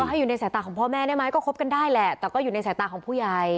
ให้อยู่ในสายตาของพ่อแม่ได้ไหมก็คบกันได้แหละแต่ก็อยู่ในสายตาของผู้ใหญ่